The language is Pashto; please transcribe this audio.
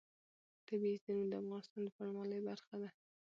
طبیعي زیرمې د افغانستان د بڼوالۍ برخه ده.